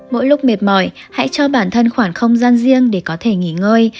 mỗi lúc mệt mỏi hãy cho bản thân khoảng không gian riêng để có thể nghỉ ngơi